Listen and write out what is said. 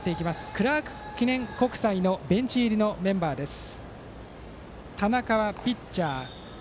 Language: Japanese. クラーク記念国際のベンチ入りのメンバーです。